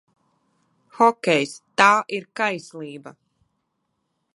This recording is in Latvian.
Hokejs - t? ir kaisl?ba!